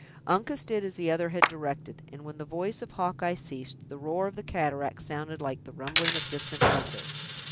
Uncas did as the other had directed, and when the voice of Hawkeye ceased, the roar of the cataract sounded like the rumbling of distant thunder.